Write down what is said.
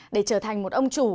để trở thành một ông chủ